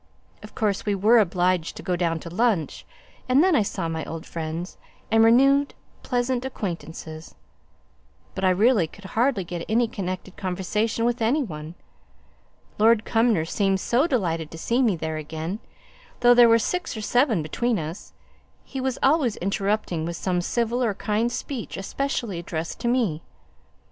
Of course we were obliged to go down to lunch, and then I saw my old friends, and renewed pleasant acquaintances. But I really could hardly get any connected conversation with any one. Lord Cumnor seemed so delighted to see me there again: though there were six or seven between us, he was always interrupting with some civil or kind speech especially addressed to me.